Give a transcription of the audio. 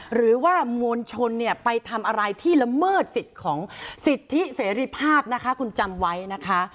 หรือว่ามวลชนไปทำอะไรที่ละเมิดสิทธิเสร็จภาพคุณจำไว้นะคะ